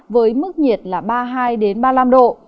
với mức nhiệt là ba mươi hai ba mươi năm độ